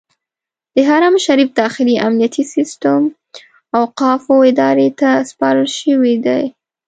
د حرم شریف داخلي امنیتي سیستم اوقافو ادارې ته سپارل شوی دی.